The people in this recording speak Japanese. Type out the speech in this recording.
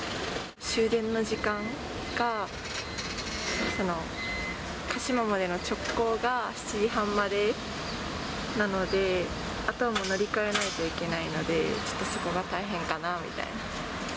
終電の時間が、鹿島までの直行が７時半までなので、あとはもう乗り換えないといけないので、ちょっとそこが大変かなみたいな。